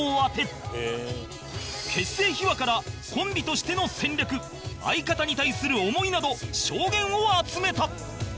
結成秘話からコンビとしての戦略相方に対する思いなど証言を集めた